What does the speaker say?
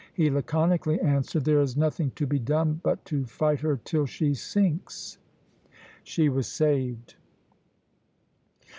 He laconically answered, 'there is nothing to be done but to fight her till she sinks.'" She was saved.